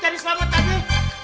cari selamat bang